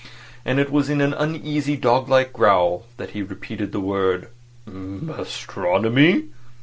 And it was in an uneasy doglike growl that he repeated the word: "Astronomy."